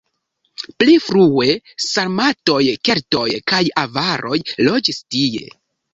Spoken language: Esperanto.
Pli frue sarmatoj, keltoj kaj avaroj loĝis tie.